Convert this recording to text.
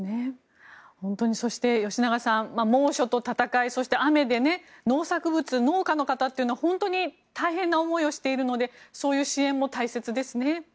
そして、吉永さん猛暑と闘いそして、雨で農作物農家の方というのは本当に大変な思いをしているのでそういう支援も大切ですね。